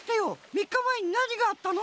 みっかまえになにがあったの？